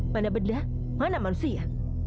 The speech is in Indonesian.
mana bedah mana manusia